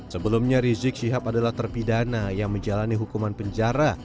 sebelumnya rizik syihab adalah terpidana yang menjalani hukuman penjara